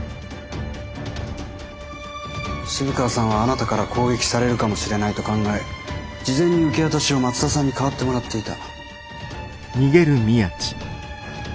渋川さんはあなたから攻撃されるかもしれないと考え事前に受け渡しを松田さんに代わってもらっていた。